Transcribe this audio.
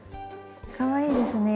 かわいいですね。